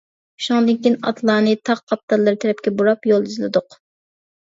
شۇنىڭدىن كېيىن ئاتلارنى تاغ قاپتاللىرى تەرەپكە بۇراپ يول ئىزلىدۇق.